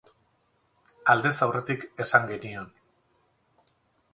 Aldez aurretik esan genion.